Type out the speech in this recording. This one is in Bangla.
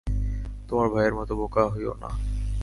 তোমার ভাইয়ের মতো বোকা হইয়ো না।